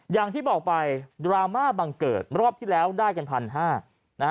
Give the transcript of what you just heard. อย่างที่บอกไปดราม่าบังเกิดรอบที่แล้วได้กัน๑๕๐๐นะฮะ